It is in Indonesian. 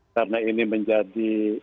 karena ini menjadi